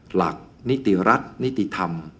หลักนิติรัฐนิติธรรม